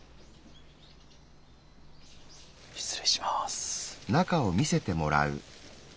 失礼します。